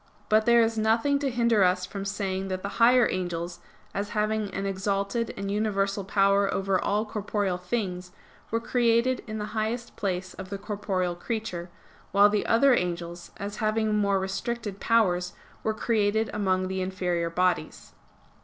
But there is nothing to hinder us from saying that the higher angels, as having an exalted and universal power over all corporeal things, were created in the highest place of the corporeal creature; while the other angels, as having more restricted powers, were created among the inferior bodies.